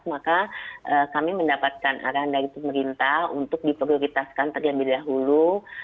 maka kami mendapatkan arahan dari pemerintah untuk diprioritaskan terlebih dahulu